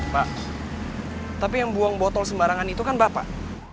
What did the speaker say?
pak tapi yang buang botol sembarangan itu kan bapak